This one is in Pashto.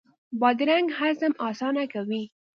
بادرنګ هضم اسانه کوي.